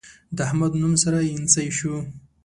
د احمد نوم سره اينڅۍ شو.